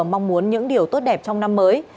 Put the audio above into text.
mong muốn những điều tốt đẹp trong năm mới